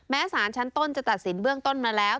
สารชั้นต้นจะตัดสินเบื้องต้นมาแล้ว